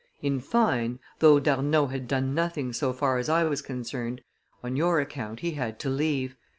In fine, though D'Arnauld had done nothing so far as I was concerned, on your account he had to leave.